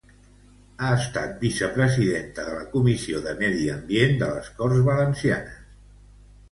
Ha estat vicepresidenta de la Comissió de Medi Ambient de les Corts Valencianes.